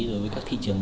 đối với các thị trường